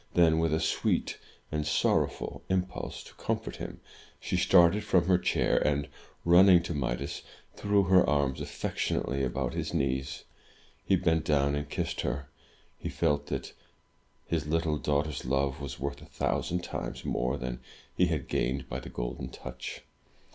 Then, with a sweet and sorrowful impulse to comfort him, she started from her chair, and running to Midas, threw her arms affection ately about his knees. He bent down and kissed her. He felt that his little daughter's love was worth a thousand times more than he had gained by the Golden Touch.